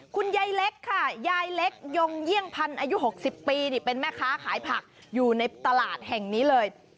คุณยายเล็กค่ะยายเล็กยงเยี่ยงพันธ์อายุ๖๐ปีนี่เป็นแม่ค้าขายผักอยู่ในตลาดแห่งนี้เลย